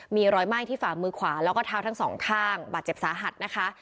มีรอยไหม้ที่ฝ่ามือขวาแล้วก็เท้าทั้งสองข้างบาดเจ็บสาหัสนะคะ